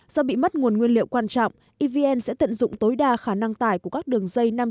do bị mất nguồn nguyên liệu quan trọng evn sẽ tận dụng tối đa khả năng tải của các đường dây